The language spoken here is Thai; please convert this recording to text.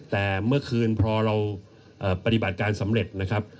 แต่เมื่อคืนพอเราปฏิบัติการสำเร็จนะครับ